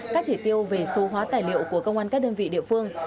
các chỉ tiêu về số hóa tài liệu của công an các đơn vị địa phương